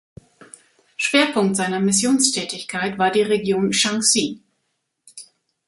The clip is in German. Schwerpunkt seiner Missionstätigkeit war die Region Shaanxi.